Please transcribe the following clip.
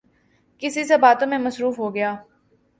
کسی سے باتوں میں مصروف ہوگیا